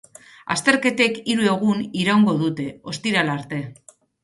Azterketek hiru egun iraungo dute, ostirala arte.